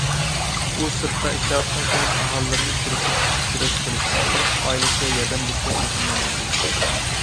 ئۇ سىرتتا ئىشلەۋاتقان كەنت ئاھالىلىرىنى تىرىشىپ كۈرەش قىلىش ئارقىلىق ئائىلىسىگە ياردەم بېرىشكە ئىلھاملاندۇردى.